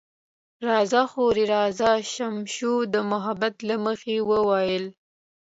راځه خورې، راځه، شمشو د محبت له مخې وویل.